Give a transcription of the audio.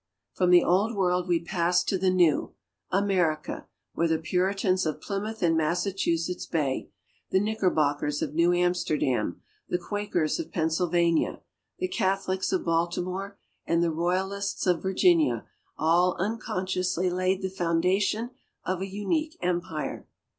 From the Old World we pass to the New, America, where the Puritans of Plymouth and Massachusetts bay, the Knickerbockers of New Amsterdam, the Quakers of Pennsylvania, the Catholics of Baltimore, and the Royalists of Virginia all unconsciously laid the foundation of a unique empire.